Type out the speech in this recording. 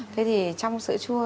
thế thì trong sữa chua